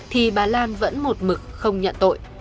thì bà lan vẫn một mực không nhận tội